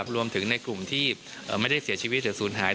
รวมถึงในกลุ่มที่ไม่ได้เสียชีวิตหรือศูนย์หาย